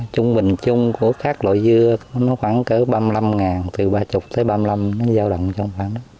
trung bình chung của các loại dưa khoảng ba mươi năm ngàn từ ba mươi tới ba mươi năm nó giao đồng trong khoảng đó